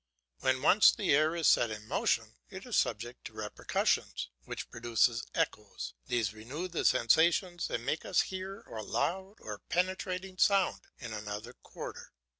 When once the air is set in motion, it is subject to repercussions which produce echoes, these renew the sensations and make us hear a loud or penetrating sound in another quarter.